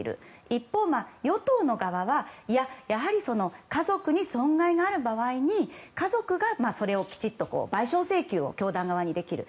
一方、与党の側はやはり家族に損害がある場合に家族がそれをきちっと賠償請求を教団側にできる。